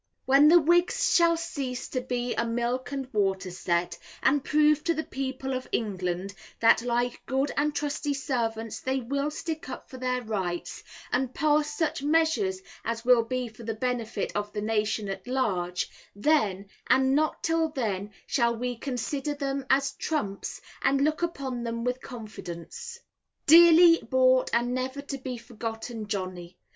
When the Whigs shall cease to be a milk and water set, and prove to the people of England, that like good and trusty servants they will stick up for their rights, and pass such measures as will be for the benefit of the nation at large: then, and not till then, shall we consider them as trumps, and look upon them with confidence. Dearly bought and never to be forgotten Johnny.